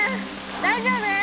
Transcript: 大丈夫？